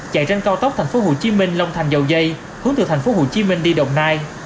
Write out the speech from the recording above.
chạy trên cao tốc tp hcm long thành dầu dây hướng từ tp hcm đi đồng nai